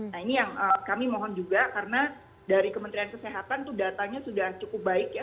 nah ini yang kami mohon juga karena dari kementerian kesehatan itu datanya sudah cukup baik ya